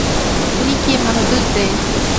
لیک یې محدود دی.